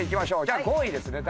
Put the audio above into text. じゃあ５位ですね。